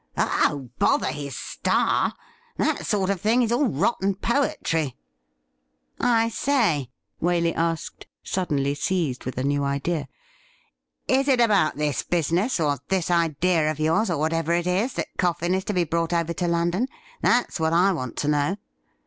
' Oh, bother his star ! that sort of thing is all rot and poetry ! I say,' Waley asked, suddenly seized with a new idea, ' is it about this business, or this idea of yours, or whatever it is, that Coffin is to be brought over to London .? That's what I want to know.'